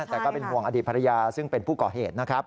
แต่ก็เป็นห่วงอดีตภรรยาซึ่งเป็นผู้ก่อเหตุนะครับ